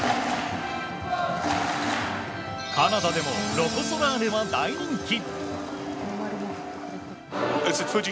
カナダでもロコ・ソラーレは大人気！